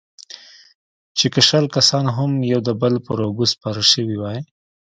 چې که شل کسان هم يو د بل پر اوږو سپاره سوي واى.